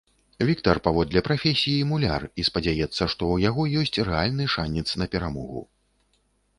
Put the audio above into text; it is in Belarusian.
Віктар паводле прафесіі муляр і спадзяецца, што ў яго ёсць рэальны шанец на перамогу.